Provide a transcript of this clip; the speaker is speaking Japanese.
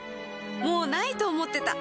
もう無いと思ってた